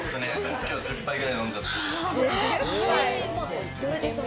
１０杯くらい飲んじゃって。